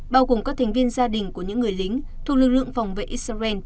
bao gồm các thành viên gia đình của những người lính thuộc lực lượng phòng vệ israel